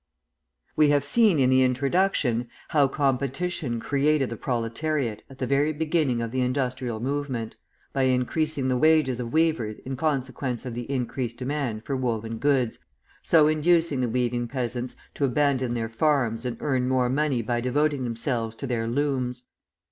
We have seen in the introduction how competition created the proletariat at the very beginning of the industrial movement, by increasing the wages of weavers in consequence of the increased demand for woven goods, so inducing the weaving peasants to abandon their farms and earn more money by devoting themselves to their looms.